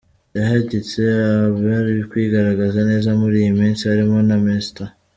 Yahigitse abari kwigaragaza neza muri iyi minsi barimo na Mr.